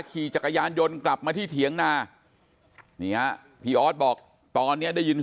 ขี่จักรยานยนต์กลับมาที่เถียงนานี่ฮะพี่ออสบอกตอนนี้ได้ยิน